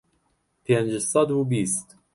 پێنج سەد و بیست